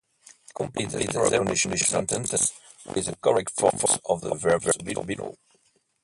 Complete the zero conditional sentences with the correct forms of the verbs below.